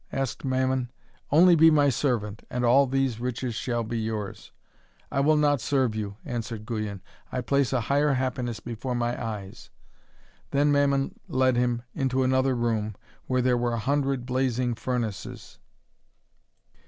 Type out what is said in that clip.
asked Mammon. 'Only be my servant, and all these riches shall be yours.' 'I will not serve you,' answered Guyon. 'I place a higher happiness before my eyes.' Then Mammon led him into another room where were a hundred blazing furnaces.